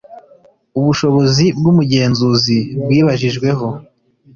Ubushobozi bw’ umugenzuzi bwibajijweho